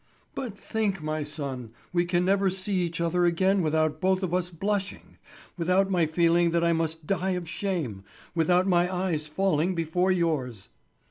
"But think, my son, we can never see each other again without both of us blushing, without my feeling that I must die of shame, without my eyes falling before yours."